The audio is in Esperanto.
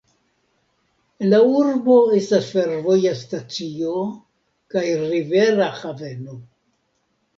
En la urbo estas fervoja stacio kaj rivera haveno.